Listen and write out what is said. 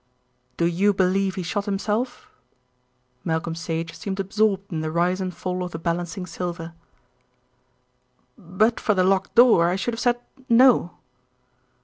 "Do you believe he shot himself?" Malcolm Sage seemed absorbed in the rise and fall of the balancing silver. "But for the locked door I should have said 'no.'"